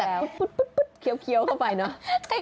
แล้วมันก็จะแบบปึ๊บเคี้ยวเคี้ยวเข้าไปเนาะ